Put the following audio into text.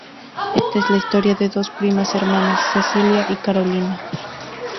Esta es la historia de dos primas-hermanas, Cecilia y Carolina.